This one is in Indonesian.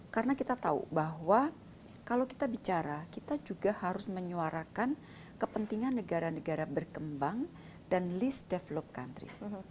karena kita tahu bahwa kalau kita bicara kita juga harus menyuarakan kepentingan negara negara berkembang dan least developed countries